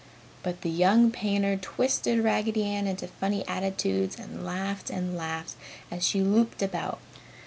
But the young painter twisted Raggedy Ann into funny attitudes and laughed and laughed as she looped about.